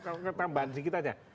kalau tambahan sih kita